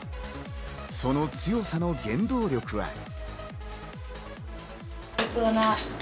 その強さの原動力は。